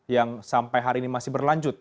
yang sampai hari ini masih berlanjut